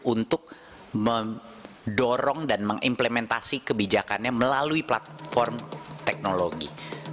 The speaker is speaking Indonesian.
untuk mendorong dan mengimplementasi kebijakannya melalui platform teknologi